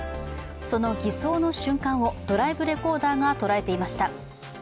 その偽装の瞬間をドライブレコーダーが捉えていました。